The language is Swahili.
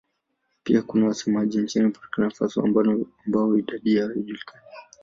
Pia kuna wasemaji nchini Burkina Faso ambao idadi yao haijulikani.